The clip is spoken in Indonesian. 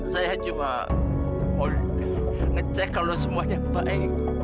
saya cuma mau ngecek kalau semuanya baik